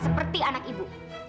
seperti anak ibu